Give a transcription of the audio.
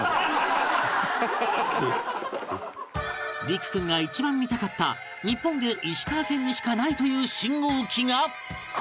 莉玖君が一番見たかった日本で石川県にしかないという信号機がこちら！